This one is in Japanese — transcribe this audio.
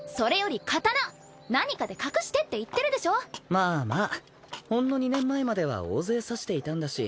まあまあほんの２年前までは大勢差していたんだし。